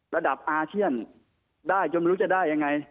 อาเซียนได้จนไม่รู้จะได้ยังไง